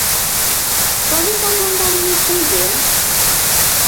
Podes afondar nesta idea?